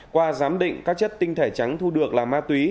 qua giám định các chất tinh thể trắng thu được là ma túy